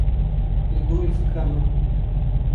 Li gorî fikra min.